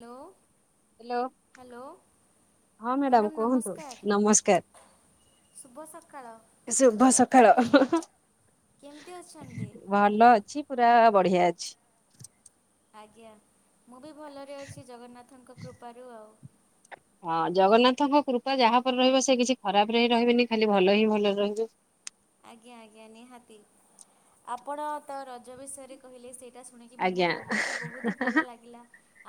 Hello. Hello hello ହଁ madam madam କୁହନ୍ତୁ ନମସ୍କାର୍। ନମସ୍କାର ଶୁଭ ସକାଳ। ଶୁଭ ସକାଳ। କେମ୍ତି ଅଛନ୍ତି। ଭଲ ଅଛି ପୁରା ବଢିଆ ଅଛି। ଆଜ୍ଞା ମୁଁ ବି ଭଲରେ ଅଛି ଜଗନ୍ନାଥଙ୍କ କୃପାରୁ ଆଉ। ହଁ ଜଗନ୍ନାଥଙ୍କ କୃପା ଯାହାପରେ ରହିବ ସେ କିଛି ଖରାପ୍ରେ ହିଁ ରହିବେନି ଖାଲି ଭଲ ହିଁ ଭଲରେ ରହିବେ। ଆଜ୍ଞା ଆଜ୍ଞା ନିହାତି ଆପଣ ତ ରଜ ବିଷୟରେ କହିଲେ ସେଇଟା ଶୁଣିକି ବହୁ ଆଜ୍ଞା ମୋତେ ବହୁତ ହିଁ ଭଲ ଲାଗିଲା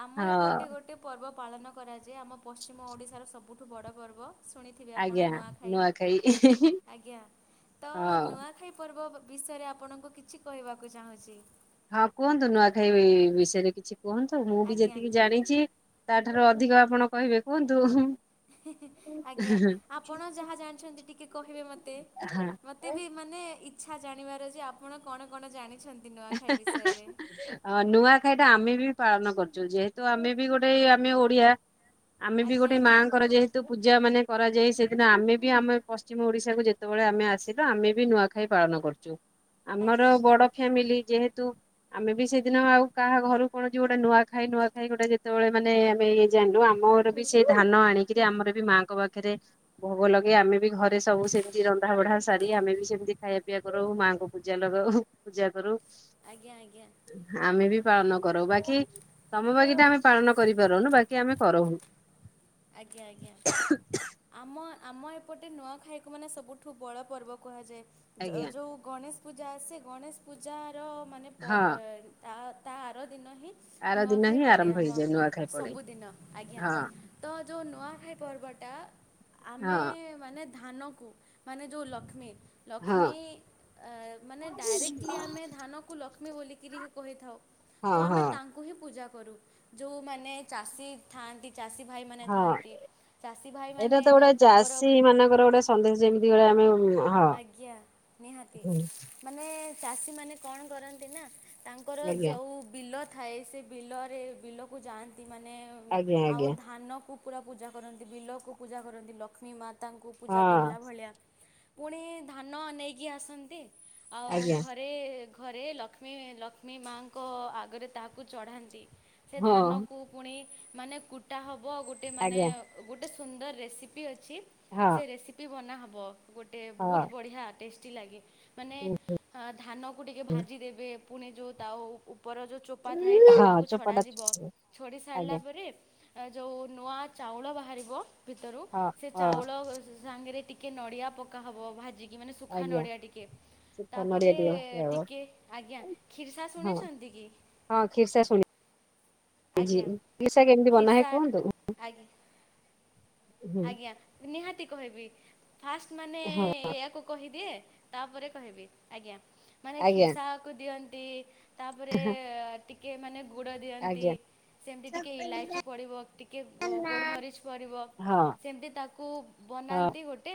ଆମ ଏପଟେ ହଁ ଗୋଟେ ପର୍ବ ପାଳନ କରାଯାଏ ଆମ ପଶ୍ଚିମ ଓଡ଼ିଶାର ସବୁଠୁ ବଡ଼ ପର୍ବ। ଶୁଣିଥିବେ ଆପଣ ନୂଆଖାଇ ଆଜ୍ଞା। ତ ହଁ ନୂଆଖାଇ ପର୍ବ ବ ବିଷୟରେ ଆପଣଙ୍କୁ କିଛି କହିବାକୁ ଚାହୁଁଚି। ହଁ କୁହନ୍ତୁ ନୂଆଖାଇ ବିଷୟରେ କିଛି କୁହନ୍ତୁ ମୁଁ ବି ଆଜ୍ଞା। ଯେତିକି ଜାଣିଚି। ତା ଠାରୁ ଅଧିକ ଆପଣ କହିବେ କୁହନ୍ତୁ। ଆଜ୍ଞା ଆପଣ ଯାହା ଜାଣିଛନ୍ତି ଟିକେ କହିବେ ମତେ। ମତେ ହଁ ବି ମାନେ ଇଛା ଜାଣିବାର ଯେ ଆପଣ କଣ କଣ ଜାଣିଛନ୍ତି ନୂଆଖାଇ ବିଷୟରେ। ଅ ନୂଆଖାଇଟା ଆମେ ବି ପାଳନ କରୁଚୁ ଯେହେତୁ ଆମେ ବି ଗୋଟେ କି ଆମେ ଓଡିଆ। ଆମେ ବି ଆଜ୍ଞା ଗୋଟେ ଆଜ୍ଞା ମାଆଙ୍କର ଯେହେ ତ ପୂଜା ମାନେ କରାଯାଇ ସେଦିନ ଆମେ ବି ଆମେ ପଶ୍ଚିମ ଓଡ଼ିଶାକୁ ଯେତେବେଳେ ଆମେ ଆସିଲୁ ଆମେ ବି ନୂଆଖାଇ ପାଳନ କରୁ। ଚୁ ଆମର ଆଜ୍ଞା ବଡ ଫ୍ୟାମିଲି ଯେହେତୁ। ଆମେ ବି ସେଦିନ ଆଉ କାହାଘରୁ କଣ ଯେ ଗୋଟେ ନୂଆଖାଇ ନୂଆଖାଇ ଗୋଟେ ଯେତେବେଳେ ମାନେ ଆମେ ଇଏ ଜାଣଲୁ ଆମର। ବି ସେଇ ଧାନ ଆଣିକିରି ଆମର ବି ମାଙ୍କ ପାଖେରେ ଭୋଗ ଲଗେଇ ଆମେ ବି ଘରେ ସବୁ ସେମତି ରନ୍ଧା ବଢା ସାରି ଆମେ ବି ସେମିତି ଖାଇବା ପିଆବା କରଉ ମାଆଙ୍କୁ ପୂଜା ଲଗାଉ। ପୂଜାକରୁ ଆଜ୍ଞା ଆଜ୍ଞା ଆମେ ବି ପାଳନକରୁ ବାକି। ତମେ ବାକିଟା ଆମେ ପାଳନ କରିପାରୁନୁ ବାକି ଆମେ କରଉ। ଆଜ୍ଞା ଆଜ୍ଞା। ଆମ ଆମ ଏପଟେ ନୂଆଖାଇକୁ ମାନେ ସବୁଠୁ ବଡ଼ପର୍ବ କୁହାଯାଏ ଯ ଆଜ୍ଞା ଯୋଉ। ଗଣେଶ ପୂଜା ଆସେ ଗଣେଶ ପୂଜାର ମାନେ ହଁ ପର ତା ତା ଆରଦିନ ହିଁ। ଆର ଦିନ ନୂଆଖାଇ ହିଁ ପଡେ ଆରମ୍ଭ ଆମ ହେଇଯାଏ ନୂଆଖାଇ ପଡେ ସବୁଦିନ ଆଜ୍ଞା। ହଁ ତ ଯୋଉ ନୂଆଖାଇ ପର୍ବଟା ଆମେ। ହଁ ମାନେ ଧାନକୁ ମାନେ ଯୋଉ ଲକ୍ଷ୍ମୀ। ହଁ ଲକ୍ଷ୍ମୀ ଆ ମାନେ ଡାଇରେକ୍ଟଲି ଆମେ ଧାନ। କୁ ଲକ୍ଷ୍ମୀ ବୋଲିକିରି ହି କହିଥାଉ ତ ହଁ ଆମେ ହଁ ତା ଙ୍କୁ ହିଁ ପୂଜାକରୁ ଯୋଉମାନେ ଚାଷୀ ଥାଆନ୍ତି ଚାଷୀ। ଭାଇମାନେ ହଁ ଥାଆନ୍ତି ଚାଷୀ ଏଇଟା ଭାଇମାନେ ତ ଗୋଟେ ଯୋଉ ତାଙ୍କର। ଚାଷୀ ମାନଙ୍କର ଗୋଟେ ସନ୍ଦେଶ ଯେମିତି ଗଳେ ଆମେ [unintelligible] ଆଜ୍ଞା ନିହାତି ମାନେ ଚାଷୀମାନେ କଣ କରନ୍ତି ନା। ତାଙ୍କର ଆଜ୍ଞା ଯଉ ବିଲ ଥାଏ ସେ ବିଲରେ ବିଲକୁ ଯାଆନ୍ତି ମାନେ। ଆଜ୍ଞା ଆଉ ଆଜ୍ଞା ଧାନକୁ ପୁରା ପୂଜା କରନ୍ତି ବିଲକୁ ପୂଜା କରନ୍ତି ଲକ୍ଷ୍ମୀ ମା। ତାଙ୍କୁ ପୂଜା ହଁ କଲାଭଳିଆ ପୁଣି ଧାନ ନେଇକି ଆସନ୍ତି ଆଉ ଆଜ୍ଞା ଘ ରେ ଘରେ ଲକ୍ଷ୍ମୀ ଲକ୍ଷ୍ମୀ ମାଙ୍କ ଆଗରେ ତାହାକୁ ଚଢ଼ାନ୍ତି। ସେ ହଁ ଧାନକୁ ପୁଣି ମାନେ କୁଟାହବ ଗୋଟେ ମାନେ। ଆଜ୍ଞା ଗୋଟେ ସୁନ୍ଦର ରେସିପି ଅଛି। ହଁ। ସେ ରେସିପି ବନାହବ ଗୋଟେ ହଁ ବହୁତ ବଢ଼ିଆ ଟେଷ୍ଟି ଲାଗେ। ମାନେ ଧାନକୁ ଟିକେ ଭାଜିଦେବେ ପୁଣି ଯୋଉ ତା ଉ ଉପର ଯୋଉ। ଚୋପା ଥାଏ ହଁ ଚୋପାକୁ ଚୋପାଟା ଛଡ଼ାଯିବ ଛଡେଇ ସାରିଲା ଆଜ୍ଞା ପରେ। ଏ ଯୋଉ ନୂଆ ଚାଉଳ ବାହାରିବ ଭିତରୁ ହଁ ସେ ହଁ ଚାଉଳ ସାଙ୍ଗରେ ଟି ଟିକେ ନଡ଼ିଆ ପକାହବ ଭାଜିକି ମାନେ ସୁଖା ଆଜ୍ଞା ନଡ଼ିଆ ଟିକେ। ଶୁଖା ତାପରେ ନଡିଆ ଟିକେ ହଁ ଟିକଏ ଆଜ୍ଞା କ୍ଷୀର୍ସା ଶୁଣିଛନ୍ତି କି? ହଁ କ୍ଷୀର୍ସା ଶୁଣିଚି ଆଜ୍ଞା କ୍ଷୀର୍ସା କେମିତି ବନାହଏ ଖିରସା କୁହନ୍ତୁ? ଆଜ୍ଞା। ହୁଁ ଆଜ୍ଞା ନିହାତି କହିବି ଫାଷ୍ଟ ମାନେ ଏହାକୁ। କହିଦିଏ ତାପରେ କହିବି ଆଜ୍ଞା ମାନେ ଆଜ୍ଞା କ୍ଷୀର୍ସାକୁ ଦିଅନ୍ତି। ତାପରେ ଅ ଟିକେ ମାନେ। ଗୁଡ଼ ଦିଅନ୍ତି ଆଜ୍ଞା। ସେମତି ଟିକିଏ ଇଲାଇଚି ପଡ଼ିବ ଟିକିଏ ଗୋ ଗୋଲମରିଚ ପଡ଼ିବ। ହଁ କେମତି ତାକୁ ହଁ ବନାନ୍ତି ଗୋଟେ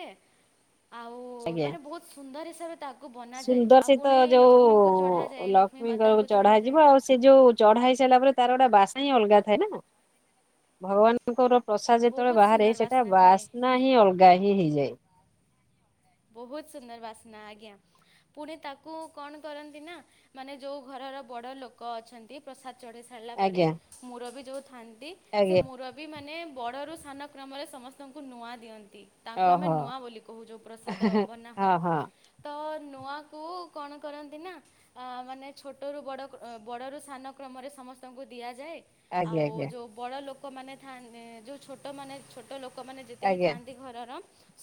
ଆଉ ଆଜ୍ଞା। ମାନେ ବହୁତ ସୁନ୍ଦର ହିସାବରେ ତା କୁ ବନାଯାଏ ସୁନ୍ଦର ଆଉ ସହିତ ପୁଣି ଲକ୍ଷ୍ମୀଙ୍କୁ ଯୋଉ ଚଢ଼ାଯାଏ ଲକ୍ଷ୍ମୀ ଲକ୍ଷ୍ମୀଙ୍କର ମାତାଙ୍କୁ ଚଢ଼ାଯାଏ। ଚଢାଯିବ ଆଉ ସେ ଯୋଉ ଚଢା ହେଇସାଇଲା ପରେ ତାର ଗୋଟେ ବାସ୍ନା ହିଁ ଅଲଗା ଥାଏ ନା। ଭଗବାନଙ୍କର ପ୍ରସାଦ ଯେତେବେଳେ ବହୁତ ବାହାରେ ସୁନ୍ଦର ସେଟା ଥାଏ ବାସ୍ନା ହିଁ ଅଲଗା ହିଁ ହେଇଯାଏ। ବହୁତ୍ ସୁନ୍ଦର ବାସ୍ନା ଆଜ୍ଞା। ପୁଣି ତାକୁ କଣ କରନ୍ତି ନା ମାନେ ଯୋଉ ଘରର ବଡ ଲୋକ ଅଛନ୍ତି। ପ୍ରସାଦ ଚଢେ ଚଢେଲା ପରେ ଆଜ୍ଞା ମୁରବି ଯୋଉ ଥାଆନ୍ତି ସେ ଆଜ୍ଞା ମୁର ବି ମାନେ ବଡରୁ ସାନ କ୍ରମରେ ସମସ୍ତଙ୍କୁ ନୂଆ ଦିଅନ୍ତି। ତାଙ୍କୁ ଆମେ ଓହୋ। ନୂଆ ବୋଲି କହୁଚୁ। ସାଦ ବନା ହଁ ହୁଏ। ହଁ ତ ନୂଆକୁ କଣ କରନ୍ତି ନା ଆ ମାନେ ଛୋଟରୁ ବଡକ ବଡରୁ ସାନ କ୍ରମରେ ସମସ୍ତଙ୍କୁ ଦିଆଯାଏ। ଆଜ୍ଞା ଆଉ ଆଜ୍ଞା ଯୋଉ ବଡ ଲୋକମାନେ ଥାଆ ଯୋଉ ଛୋଟ ମାନେ ଛୋଟ ଲୋକ ଲୋକ ମାନେ ଯେତେ ବି ଆଜ୍ଞା ଥାନ୍ତି ଘରର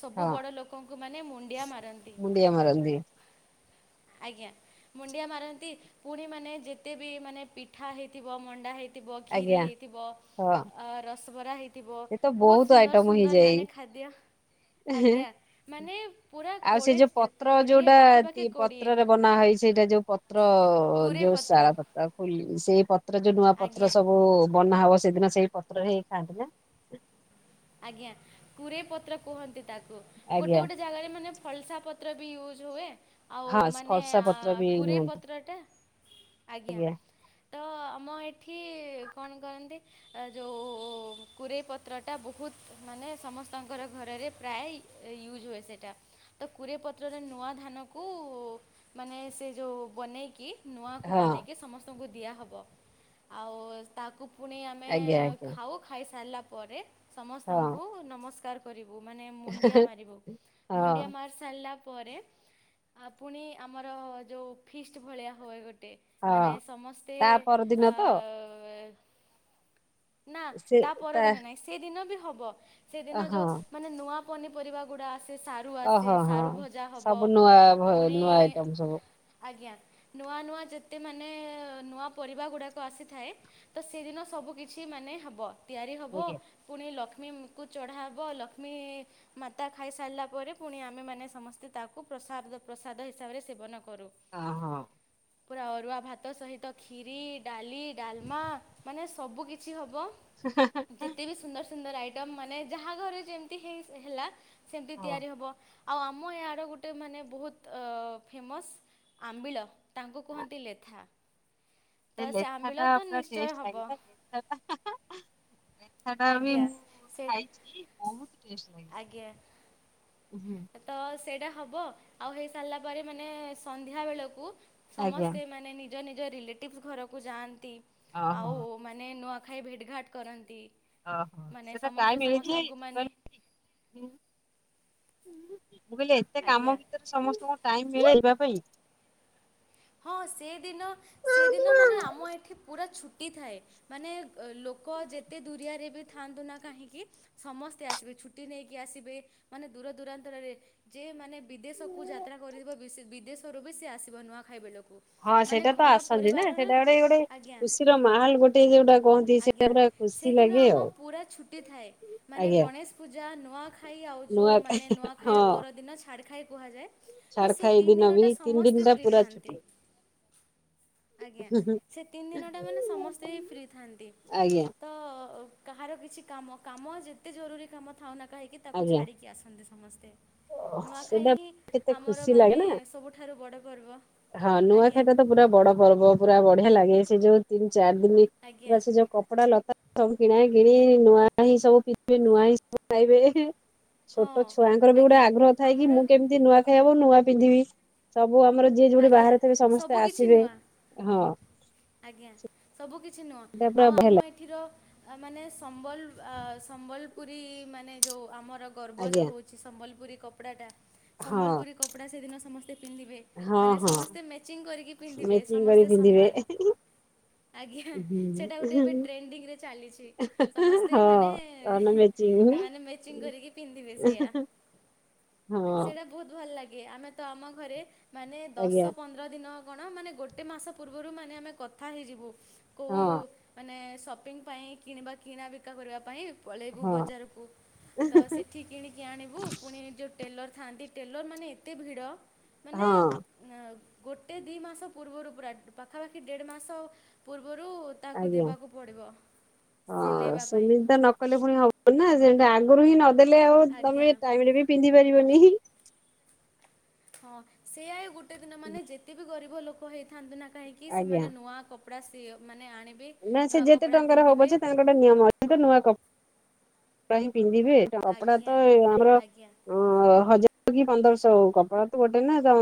ସବୁ ହଁ ବଡ ଲୋକ ଲୋକଙ୍କୁ ମାନେ ମୁଣ୍ଡିଆ ମାରନ୍ତି। ମୁଣ୍ଡିଆ ମାରନ୍ତି ଆଜ୍ଞା। ମୁଣ୍ଡିଆ ମାରନ୍ତି। ପୁଣି ମାନେ ଯେତେ ବି ମାନେ ପିଠା ହେଇଥିବ ମଣ୍ଡା ହେଇ ଥିବ। ଖିରି ଆଜ୍ଞା ହେଇଥିବ। ହଁ। ଆଉ ରସଗୋରା ହେଇ ତିବ ଏ ତ ବହୁତ୍ ବହୁତ ସୁନ୍ଦର ଆଇଟମ ସୁନ୍ଦର ମାନେ ହେଇଯାଏ ଖାଦ୍ୟ। ଆଜ୍ଞା। ମାନେ ପୁରା ଆଉ ସେ କୋଡେ ଯୋଉ ପତ୍ର କୋଡିଏ ଯୋଉଟା ପାଖାପାଖି ତି- କୋଡିଏ। ପତ୍ରରେ ବନା ହେଇ ସେଇଟା ଯୋଉ ପତ୍ର ଯୋଉ ଶା ଶାକୁଳି ସେଇ ପତ୍ର ଯୋଉ ନୂଆ ପତ୍ର ଆଜ୍ଞା ସବୁ ଓ ବନା ହବ ସେଦିନ ସେଇ ପତ୍ରରେ ଖାଆନ୍ତି ନା? ଆଜ୍ଞା। କୁରେଇ ପତ୍ର କୁହନ୍ତି ତାକୁ ଗୋଟେ ଆଜ୍ଞା ଗୋଟେ ଜାଗାରେ ମାନେ ଫଲସା ପତ୍ର ବି ୟୁଜ୍ ହୁଏ। ଆଉ ହଁ ମାନେ ଫର୍ସା ଆ ପତ୍ର ବି କୁରେଇ ନିଅନ୍ତି ପତ୍ରଟା ଆଜ୍ଞା। ତ ଆମ ଏଠି କଣ କରନ୍ତି ଯୋଉ କୁରେଇ ପତ୍ରଟା ବହୁ ବହୁତ୍ ମାନେ ସମସ୍ତଙ୍କର ଘରରେ ପ୍ରାୟ ୟୁଜ୍ ହୁଏ ସେଇଟା। ତ କୁରେଇ ପତ୍ରରେ ନୂଆ ଧାନକୁ ମାନେ ସେ ଯୋଉ ବନେଇକି ନୂଆକୁ ହଁ ବନେଇକି ସମସ୍ତଙ୍କୁ ଦିଆହବ ଆଉ ତାକୁ ପୁଣି ଆମେ ଆଜ୍ଞା ଆଜ୍ଞା ଖାଉ ଖାଇସାରିଲା ପରେ ହଁ ସମସ୍ତଙ୍କୁ ନମସ୍କାର କରିବୁ। ମାନେ ମୁଣ୍ଡିଆ ମାରିବୁ। ହଁ ମୁଣ୍ଡିଆମାରି ସାରିଲା ପରେ ପୁଣି ଆମର ଯୋଉ ଫିଷ୍ଟ୍ ଭଳିଆ ହୁଏ ଗୋଟେ। ମାନେ ହଁ ସମସ୍ତେ ତା ଆ ପରଦିନ ତ ନା ତା ପରଦିନ ନାହିଁ। ସେଦିନ ବି ହବ ସେଦିନ ହଁ ଯୋଉ ମାନେ ନୂଆ ପନିପରିବା ଗୁଡ଼ା ଆସେ ସା ସାରୁଆସେ ଓହୋ ହଁ ସାରୁଭଜା ହବ। ସବୁ ନୂଆ ଭ- ପୁଣି ନୂଆ ଆଇଟମ ସବୁ ଆଜ୍ଞା। ନୂଆ ନୂଆ ଯେତେ ମାନେ ନୂଆ ପରିବା ଗୁଡ଼ାକ ଆସିଥାଏ। ତ ସେଇଦିନ ସବୁ କିଛି ମାନେ ହବ। ତିଆରି ହବ। ଆଜ୍ଞା ପୁଣି ଲକ୍ଷ୍ମୀମୁଙ୍କୁ ଚଢ଼ା ହେବ ଲକ୍ଷ୍ମୀ ମାତା ଖାଇସାରିଲା ପରେ ପୁଣି ଆମେମାନେ ସମସ୍ତେ ତାକୁ ପ୍ରସାଦ ପ୍ରସାଦ ହିସାବରେ ସେବନ କରୁ। ହଁ ହ। ପୁରା ଅରୁଆ ଭାତ ସହିତ ଖିରି ଡାଲି ଡାଲମା ମାନେ ସବୁ କି କିଛି ହବ? ହ [inaudible] ଯେତେ ବି ସୁନ୍ଦର ସୁନ୍ଦର ଆଇଟମ୍ ମାନେ ଯାହା ଘରେ ଯେମିତି ହେ ହେଲା। ସେମିତି ହଁ ତିଆରି ହବ। ଆଉ ଆମ ଏୟାଡ ଗୋଟେ ମାନେ ବହୁତ୍ ଫେମସ୍ ଆମ୍ବିଳ ତାଙ୍କୁ କୁହନ୍ତି ଲେଥା। ତ ଏଇ ସେ ଆମ୍ବିଳ ଲେଥାଟା ତ ପୁରା ନିଶ୍ଚୟ ଟେଷ୍ଟେ ହେବ ଲାଗିଥାଏ। [unintelligible] ଲେଥାଟା ବି ଆଜ୍ଞା ମୁଁ ସେ ଖାଇଚି। ବହୁତ୍ ଟେଷ୍ଟେ ଲାଗେ। ଆଜ୍ଞା ହୁଁ। ତ ସେଇଟା ହବ। ଆଉ ହେଇସାରିଲା ପରେ ମାନେ ସନ୍ଧ୍ୟା ବେଳକୁ ଆଜ୍ଞା। ସମସ୍ତେ ମାନେ ନିଜ ନିଜ ରିଲେଟିଭ୍ସ୍ ଘରକୁ ଯାଆନ୍ତି ଓହୋ ଆଉ ମାନେ ନୂଆଖାଇ ଭେଟ ଘାଟ କରନ୍ତି। ଓହୋ ମାନେ ସେଟା ସମସ୍ତେ ଟାଇ ମି [inaudible] ଳିଛି ସମସ୍ତଙ୍କୁ ମାନେ ମୁଁ କହିଲି ଏତେ ଆଜ୍ଞା କାମ ଭିତରେ ସମସ୍ତଙ୍କୁ ଟାଇମ ମିଳେ ଯିବା ପାଇଁ। ହଁ ସେଦିନ ସେଦିନ ମାନେ ଆମ ଏଠି ପୁରା ଛୁଟି ଥାଏ। ମାନେ ଲୋକ ଯେତେ ଦୁରିଆରେ ବି ଥାଆନ୍ତୁ ନା କାହିଁକି। ସମସ୍ତେ ଆସିବେ ଛୁଟି ନେଇକି ଆସିବେ ମାନେ ଦୂର ଦୂରାନ୍ତରେ। ଯେ ମାନେ ବିଦେଶକୁ ଯାତ୍ରା କରିଥିବ ବିଦେଶରୁ ବି ସେ ଆସିବ ନୂଆଖାଇ ବେଳକୁ। ହଁ ମାନେ ସେଇଟା ତ ଘର ଆସନ୍ତି ନା ପରିବାରର ସେଇଟା ଗୋଟେ ଗୋଟେ ଆଜ୍ଞା ଖୁସିର ମାହଲ ଗୋଟେ ଯୋଉଟା କହନ୍ତି ସେଟା ଆଜ୍ଞା ପୁରା। ଖୁସି ସେଦିନ ଲାଗେ ଆମ ଆଉ ପୁରା ଛୁଟି ଥାଏ ମାନେ ଆଜ୍ଞା। ଗଣେଶ ପୂଜା ନୂଆଖା। ଆଉ ନୂଆ ଯୋଉ ନୂଆ ହଁ ଖାଇର ପର ଛାଡ ଖାଇ କୁହାଯାଏ ତ ସେ ଛାଡଖାଇ ଦିନ ବି ତିନିଦିନଟା। ତିନି ଦିନ ସମସ୍ତେ ଟା ଫ୍ରୀ ପୁରା ଥାଆନ୍ତି। ଛୁଟି। ଆଜ୍ଞା ସେ ତିନି ଦିନଟା ମାନେ ସମସ୍ତେ ଫ୍ରି ଥାଆନ୍ତି। ଆଜ୍ଞା ତ କାହାର କିଛି କାମ କାମ ଯେତେ ଜରୁରୀ କାମ ଥାଉନା କାହିଁ କି ତାକୁ ଆଜ୍ଞା ଛାଡ଼ିକି ଆସନ୍ତି। ସମସ୍ତେ ନୂଆଖାଇ ସେଟା ହିଁ କେତେ ଆମର ଖୁସି ଲାଗେ ମାନେ ନା ସବୁଠାରୁ ବଡ଼ ପର୍ବ। ହଁ ଆଜ୍ଞା। ନୂଆଖାଇଟା ତ ପୁରା ବଡ ପର୍ବ ପୁରା ବଢିଆ ଲାଗେ ସେ ଯୋଉ ତିନି ଚାରି ଦିନ। ଆଜ୍ଞା ପ ସେ ଯୋଉ କପଡା ଲତା [unintelligible] ସବୁ କିଣା କିଣି ନୂଆ ହିଁ ସବୁ ପିନ୍ଧିବେ ନୂଆ ହିଁ ସବୁ ଖାଇବେ। ହଁ ଛୋଟ ଛୁଆଙ୍କର ବି ଗୋଟେ ଆଜ୍ଞା ଆଗ୍ରହ ଥାଏ କି ଆମର ମୁଁ କେମିତି ନୂଆ ଖାଇବା ନୂଆ ପିନ୍ଧିବି ସବୁ ଆମର। ଯିଏ ଯୋଉଠି ଆଜ୍ଞା ବାହାରେ ଥିବେ ସବୁ ସମସ୍ତେ କିିଛି ଆସିବେ ନୂଆ ହଁ। ଆଜ୍ଞା ସବୁ କିଛି ନୂଆ ଏଟା ପୁରା ଆଉ ବଢିଆ ଆମ ଲାଗେ ଏ। ଠିର ମାନେ ସମ୍ବଲ ସମ୍ବଲପୁରୀ ମାନେ ଯୋଉ ଆମର। ପର୍ବ ଯୋଉ ଆଜ୍ଞା। ହେଉଛି ସମ୍ବଲପୁରୀ କପଡ଼ାଟା ହଁ ସମ୍ବଲପୁରୀ କପଡ଼ା ସେଦିନ ସମସ୍ତେ ପିନ୍ଧିବେ। ମାନେ ହଁ ହଁ ସମସ୍ତେ ମ୍ୟାଚିଂ କରିକି ପିନ୍ଧିବେ ମେଚିଂ କରି ସମସ୍ତେ ପିନ୍ଧିବେ। ସମାନ। ଆଜ୍ଞା ସେଟା ଗୋଟେ ଏବେ ହୁଁ। ଟ୍ରେଣ୍ଡିଙ୍ଗରେ ଚାଲିଛି ସମସ୍ତେ ହଁ ମାନେ। ଅନ ମେଚିଂ ଏମାନେ ମ୍ୟାଚିଂ କରିକି ପିନ୍ଧିବେ ସେଇଆ। ହଁ। ସେଇଟା ବହୁତ ଭଲ ଲାଗେ ଆମେ ତ ଆମ ଘରେ ମାନେ ଦଶ ଆଜ୍ଞା ପନ୍ଦର ଦିନ। କଣ ମାନେ ଗୋଟେ ମାସ ପୂର୍ବରୁ ମାନେ ଆମେ କଥା ହେଇଯିବୁ କୋଉ। ହଁ ମାନେ ସପିଙ୍ଗ ପାଇଁ କିଣିବା କିଣା ବିକା କରିବା ପାଇଁ। ପଳେଇବୁ ହଁ ବଜାରକୁ ତ ସେଠି। କିଣିକି ଆଣିବୁ ପୁଣି ଯୋଉ ଟେଲର ଥାଆନ୍ତି ଟେଲର ମାନେ ଏତେ ଭିଡ଼। ମାନେ ହଁ। ଗୋଟେ ଦି ଇ ମାସ ପୂର୍ବରୁ ପୁରା ପାଖାପାଖି ଦେଢ଼ ମାସ। ପୂର୍ବରୁ ତାକୁ ଆଜ୍ଞା। ଦେବାକୁ ପଡ଼ିବ ହଁ ସିଲେଇବା ପାଇଁ। ସେମିତି ତ ନ କଲେ ପୁଣି ହବ ନା ସେ ଆଗରୁ ହିଁ ନଦେଲେ ଆଉ ତମେ ଆଜ୍ଞା ଟାଇମ ରେ ବି ପିନ୍ଧି ପାରିବନି। ହଁ ସେଆ ଗୋଟେ ଦିନ ମାନେ ଯେତେ ବିି ଗରିବ ଲୋକ ହେଇଥାନ୍ତୁ ନା କାହିଁକି ଆଜ୍ଞା ସେମାନେ ନୂଆ କପ। କପଡ଼ା ସି ମାନେ ଆଣିବେ। ନା ସେ ନୂଆ ଯେତେ କପଡ଼ା ଟଙ୍କାରେ ହୋଉ ପିନ୍ଧିବେ ପଛେ ତାଙ୍କ। ଗୋଟେ ନିୟମ ଅଛି ତ ନୂଆ କ କପଡା ହିଁ ପିନ୍ଧିବେ ଏଟ କପଡା ଆଜ୍ଞା ତ ଆମର। ଆଜ୍ଞା ହଁ ହଜାର କି ପନ୍ଦରଶହ ହଉ କପଡ଼ା ତ ଗୋଟେ ନା ତ।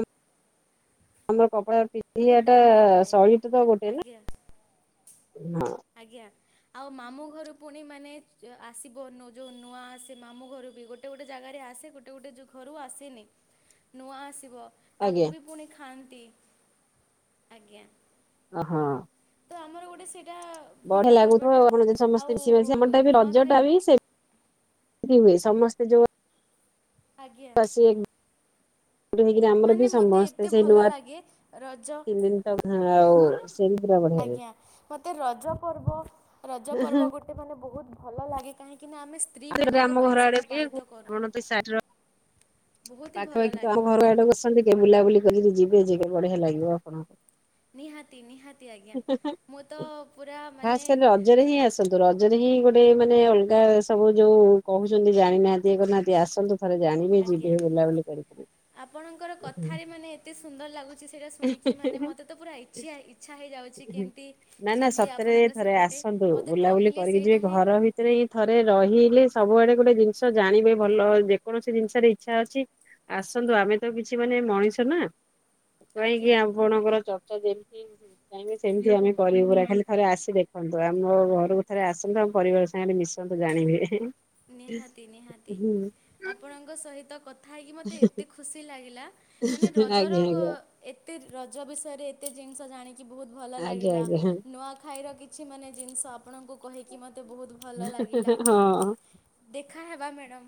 ଆମର କପଡା ବହୁତ ପିନ୍ଧିବା ଟା ଦାମ୍ ହେଇଥାଏ ସହିତ ତ ଗୋଟେ ନା। ଆଜ୍ଞା ହଁ। ଆଜ୍ଞା। ଆଉ ମାମୁଁ ଘରୁ ପୁଣି ମାନେ ଆସିବ ଯୋଉ ନୂଆ ସେ ମାମୁଁ ଘରୁ ବି। ଗୋଟେ-ଗୋଟେ ଜାଗାରେ ଆସେ ଗୋଟେ-ଗୋଟେ ଘରୁ ଆସେନି ନୂଆ ଆସିବ। ଆଜ୍ଞା ତାକୁ ବି ପୁଣି ଖାଆନ୍ତି, ଆଜ୍ଞା। ଅ ହଁ। ତ ଆମର ଗୋଟେ ସେଇଟା ଭଲ ବଢିଆ ଲାଗୁଥିବ ପର୍ବଟା ଆଉ ଆମର ଯଦି ଆଉ ସମସ୍ତେ ମିଶି ମାଶିି ଆମର ଟା ବି ରଜ ନୂଆଖାଇ ଟା ବି ସେ ହୁଏ ସମସ୍ତେ ଯୋଉ ଆଜ୍ଞା। [unintelligible] ହେଇକରି ଆମର ମାନେ ବି ମୋତେ ସମସ୍ତେ ଏତେ ସେଇ ଭଲ ନୂଆ ଲାଗେ ରଜ [unintelligible] [unintelligible] ଆଉ [inaudible] ଆଜ୍ଞା ମତେ ରଜ ପର୍ବ ରଜ ପର୍ବ ଗୋଟେ ମାନେ ବହୁତ୍ ଭଲ ଲାଗେ। କାହିଁକି ନା ଆମେ ସ୍ତ୍ରୀ ମାନଙ୍କ ଆମ ପାଇଁ ଘର ଆଡେ ସେଇଟା ପାଳିତ କରୁ। [unintelligible] ବହୁତ ହି ଭଲ ପାଖାପାଖି ତ ଲାଗେ ଆମ ଘର ମୋତେ ଆଡେ କୁ ଆସନ୍ତି କେବେ ବୁଲାବୁଲି କରିକି ଯିବେ ଯେ ବଢିଆ ଲାଗିବ ଆପଣଙ୍କୁ। ନିହାତି-ନିହାତି ଆଜ୍ଞା, ମୁଁ ତ ପୁରା ମାନେ ଖାସ୍ କରି ରଜରେ ହିଁ ଆସନ୍ତୁ ରଜରେ ହିଁ ଗୋଟେ ମାନେ ଅଲଗା ସବୁ ଯୋଉ କହୁଚନ୍ତି ଜାଣିନାହାନ୍ତି ଇଏ କରିନାହାଁନ୍ତି ଆସନ୍ତୁ ଥରେ ଜାଣିବେ ଆଜ୍ଞା। ଯିବେ ବୁଲାବୁଲି କରିକି। ଆପଣଙ୍କର କଥାରେ ମାନେ ଏତେ ସୁନ୍ଦର ଲାଗୁଚି ସେଇଟା ଶୁଣିକି ମାନେ ମତେ ତ ପୁରା [unintelligible] ଇଚ୍ଛା ହେଇଯାଉଚି କେମ୍ତି ନା ନା ଯିବି ସତରେ ଆପଣଙ୍କ ଥରେ ସେପଟେ ମୋତେ କହିଲେ ସେଇଟା ହିଁ ସେଥିରେ ହିଁ ଥରେ ରହିଲେ ସବୁ ଆଡ଼େ ଗୋଟେ ଜିନିଷ ଜାଣିବେ ଭଲ ଯେକୌଣସି ଜିନିଷରେ ଇଚ୍ଛା ଅଛି ଆସନ୍ତୁ ଆମେ ତ କିଛି ମାନେ ମଣିଷ ନା କାହିଁକି ଆଜ୍ଞା। ଆପଣଙ୍କର ଚର୍ଚ୍ଚା ଯେମ୍ତି କାଇଁକି ସେମ୍ତି ଆମେ କରିବୁ ପୁରା ଖାଲି ଥରେ ଆସି ଦେଖନ୍ତୁ ଆମ ଘରକୁ ଥରେ ଆସନ୍ତୁ ଆମ ପରିବାର ସାଙ୍ଗରେ ମିଶନ୍ତୁ ଜାଣିବେ। ନିହାତି-ନିହାତି ହୁଁ ଆପଣଙ୍କ ସହିତ କଥା ହେଇକି ମୋତେ ଏତେ ଖୁସି ଲାଗିଲା ମାନେ ରଜର ଆଜ୍ଞା ଆଜ୍ଞା ଏତେ ରଜ ବିଷୟରେ ଏତେ ଜିନିଷ ଜାଣିକି ବହୁତ୍‌ ଭଲ ଆଜ୍ଞା ଲାଗିଲା ଆଜ୍ଞା ନୂଆଖାଇ ର କିଛି ମାନେ ଜିନିଷ ଆପଣଙ୍କୁ କହିକି ମୋତେ ବହୁତ୍ ଭଲ ଲାଗିଲା। ହଁ। ଦେଖା ହେବା ମ୍ୟାଡ଼ାମ୍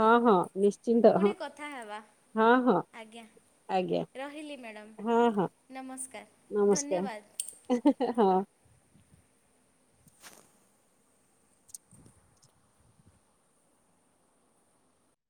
ହଁ ହଁ ନିଶ୍ଚିନ୍ତ ହଁ କଥା ହେବା। ହଁ ହଁ ଆଜ୍ଞା। ଆଜ୍ଞା ରହିଲି ମ୍ୟାଡ଼ାମ୍ ହଁ ହଁ ନମସ୍କାର୍ ନମସ୍କାର ଧନ୍ୟବାଦ୍। ହଁ। [inaudible] [inaudible]